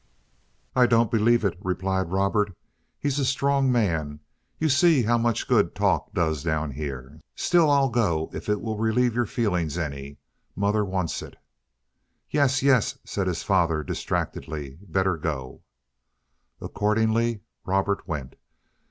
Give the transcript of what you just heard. "I don't believe it," replied Robert. "He's a strong man. You see how much good talk does down here. Still, I'll go if it will relieve your feelings any. Mother wants it." "Yes, yes," said his father distractedly, "better go." Accordingly Robert went.